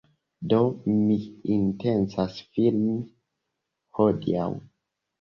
Do mi intencas filmi hodiaŭ.